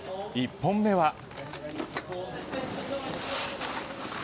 １本目は。